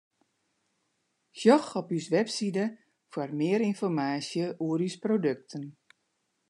Sjoch op ús website foar mear ynformaasje oer ús produkten.